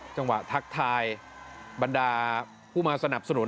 ทักทายบรรดาผู้มาสนับสนุน